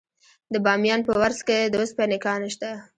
د بامیان په ورس کې د وسپنې کان شته.